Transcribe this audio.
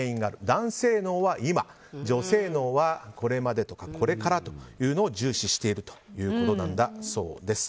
男性脳は、今女性脳は、これまでとかこれからというのを重視しているということです。